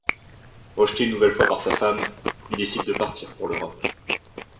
Rejeté une nouvelle fois par sa femme, il décide de partir pour l'Europe.